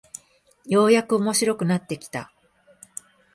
ようやく面白くなってきた